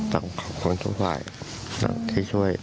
ต้องขอบคุณทุกฝ่ายครับที่ช่วย